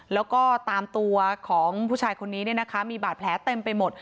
แล้วก็ตามตัวของผู้ชายคนนี้มีบาดแผลเต็มไปหมด